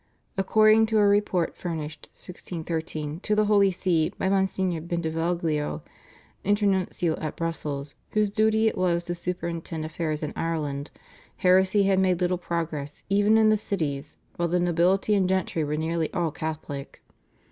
According to a report furnished (1613) to the Holy See by Mgr. Bentivoglio, Internuncio at Brussels, whose duty it was to superintend affairs in Ireland, heresy had made little progress even in the cities, while the nobility and gentry were nearly all Catholic.